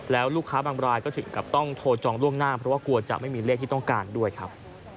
แล้วลูกค้าบางรายก็ถึงกับต้องโทรจองล่วงหน้าเพราะว่ากลัวจะไม่มีเลขที่ต้องการด้วยครับ